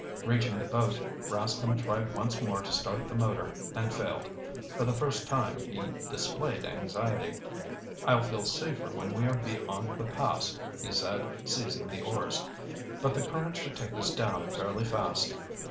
Reaching the boat, Rascomb tried once more to start the motor and failed. For the first time he displayed anxiety. "I'll feel safer when we are beyond the pass," he said, seizing the oars. "But the current should take us down fairly fast."